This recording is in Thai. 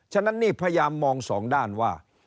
ฉะนั้นนี่พยายามมองสองด้านว่า